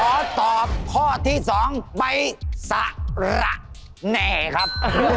ผมขอตอบข้อที่๒ใส่ละแหน่ครับ